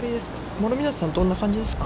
諸見里さん、どんな感じですか。